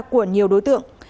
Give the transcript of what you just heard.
của nhiều đối tượng